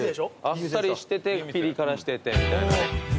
あっさりしててピリ辛しててみたいな。